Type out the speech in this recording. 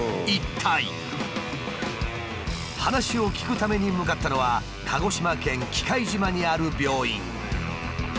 話を聞くために向かったのは鹿児島県喜界島にある病院。